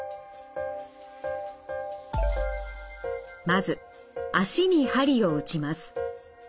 まず足に鍼を打ちます。